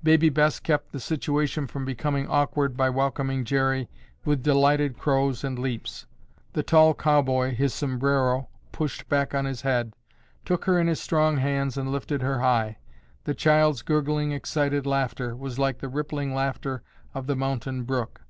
Baby Bess kept the situation from becoming awkward by welcoming Jerry with delighted crows and leaps. The tall cowboy, his sombrero pushed back on his head, took her in his strong hands and lifted her high. The child's gurgling excited laughter was like the rippling laughter of the mountain brook.